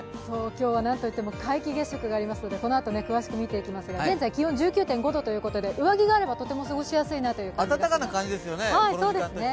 今日はなんといっても皆既月食があるのでこのあと詳しく見ていきますが現在気温は１９．５度ということで、上着があればとても過ごしやすいですね。